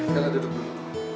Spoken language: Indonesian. kakak duduk dulu